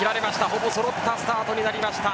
ほぼ揃ったスタートになりました。